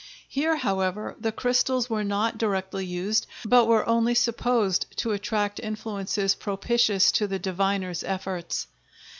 Here, however, the crystals were not directly used, but were only supposed to attract influences propitious to the diviner's efforts.